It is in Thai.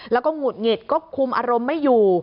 แล้วก็หงุดหงิดก็คุมอารมณ์ไม่อยู่